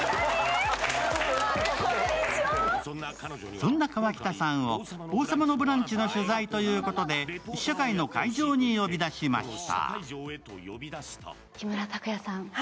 そんな河北さんを「王様のブランチ」の取材ということで試写会の会場に呼び出しました。